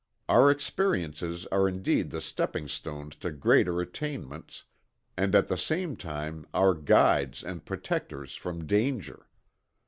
Our experiences are indeed the stepping stones to greater attainments, and at the same time our guides and protectors from danger.